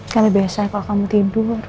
karena biasa kalau kamu tidur